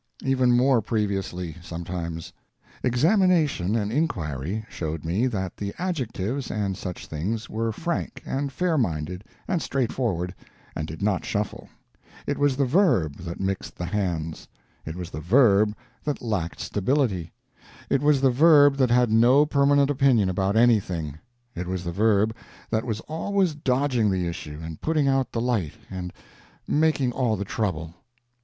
Even more previously, sometimes. Examination and inquiry showed me that the adjectives and such things were frank and fair minded and straightforward, and did not shuffle; it was the Verb that mixed the hands, it was the Verb that lacked stability, it was the Verb that had no permanent opinion about anything, it was the Verb that was always dodging the issue and putting out the light and making all the trouble.